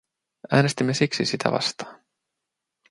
Äänestimme siksi sitä vastaan.